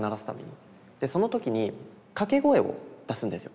でその時に掛け声を出すんですよ。